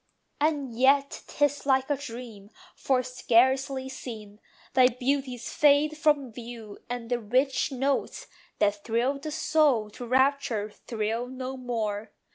And yet 'tis like a dream: for, scarcely seen, Thy beauties fade from view; and the rich notes, That thrilled the soul to rapture, thrill no more.